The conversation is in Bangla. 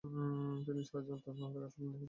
তিনি সারা জীবন তাজমহল দেখার স্বপ্ন দেখেছেন।